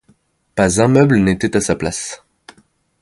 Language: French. Pas un meuble n’était à sa place.